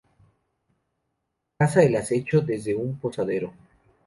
Caza al acecho desde un posadero.